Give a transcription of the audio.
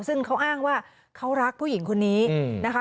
ซึ่งเขาอ้างว่าเขารักผู้หญิงคนนี้นะคะ